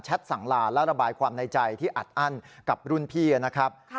สั่งลาและระบายความในใจที่อัดอั้นกับรุ่นพี่นะครับ